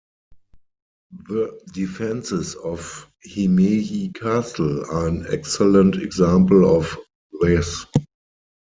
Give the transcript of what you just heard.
The defenses of Himeji castle are an excellent example of this.